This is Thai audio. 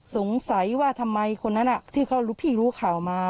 สงสัยว่าทำไมคนนั้นที่เขารู้พี่รู้ข่าวมา